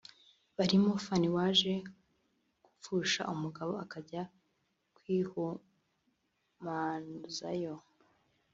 barimo Fanny waje gupfusha umugabo akajya kwihumanuzayo